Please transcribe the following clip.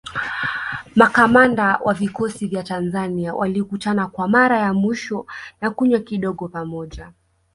Makamanda wa vikosi vya Tanzania walikutana kwa mara ya mwisho na kunywa kidogo pamoja